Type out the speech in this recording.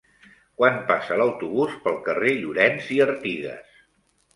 Quan passa l'autobús pel carrer Llorens i Artigas?